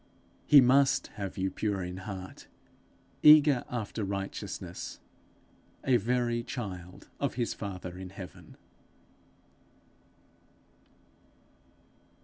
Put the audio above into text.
He must have you pure in heart, eager after righteousness, a very child of his father in heaven.